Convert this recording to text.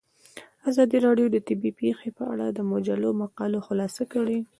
ازادي راډیو د طبیعي پېښې په اړه د مجلو مقالو خلاصه کړې.